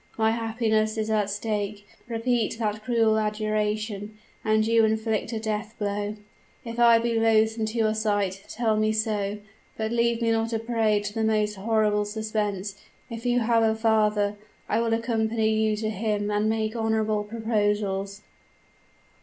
My happiness is at stake. Repeat that cruel adjuration, and you inflict a death blow. If I be loathsome to your sight, tell me so; but leave me not a prey to the most horrible suspense. If you have a father, I will accompany you to him and make honorable proposals.'